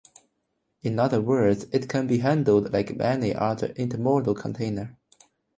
In other words it can be handled like any other intermodal container.